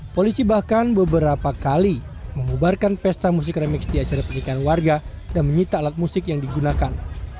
polisi bahkan beberapa kali memubarkan pesta musik remix di acara pernikahan warga dan menyita alat musik yang digunakan